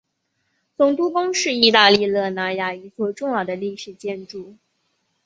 总督宫是意大利热那亚一座重要的历史建筑。